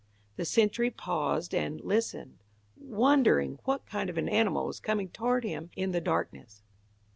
The sentry paused and, listened, wondering what kind of an animal was coming toward him in the darkness.